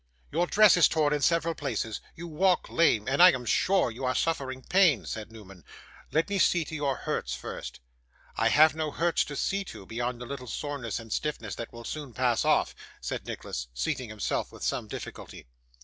'Your dress is torn in several places; you walk lame, and I am sure you are suffering pain,' said Newman. 'Let me see to your hurts first.' 'I have no hurts to see to, beyond a little soreness and stiffness that will soon pass off,' said Nicholas, seating himself with some difficulty.